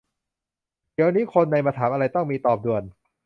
เดี๋ยวนี้คนใน มาถามอะไร ต้องมี ตอบด่วน